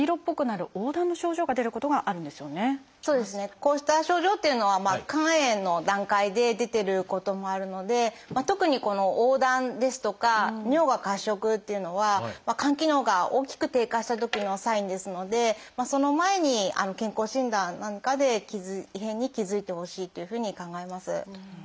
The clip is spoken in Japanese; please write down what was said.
こうした症状というのは肝炎の段階で出てることもあるので特にこの黄疸ですとか尿が褐色というのは肝機能が大きく低下したときのサインですのでその前に健康診断なんかで異変に気付いてほしいというふうに考えます。